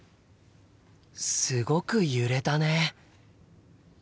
すごく揺れたね。